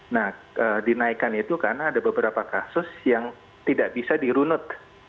nah dinaikkan itu karena ada beberapa kasus yang tidak bisa dirunut